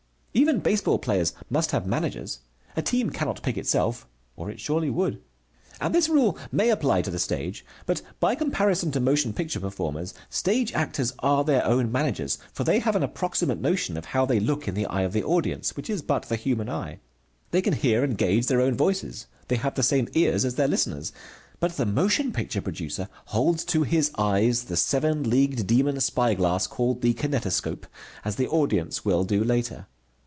Even baseball players must have managers. A team cannot pick itself, or it surely would. And this rule may apply to the stage. But by comparison to motion picture performers, stage actors are their own managers, for they have an approximate notion of how they look in the eye of the audience, which is but the human eye. They can hear and gauge their own voices. They have the same ears as their listeners. But the picture producer holds to his eyes the seven leagued demon spy glass called the kinetoscope, as the audience will do later.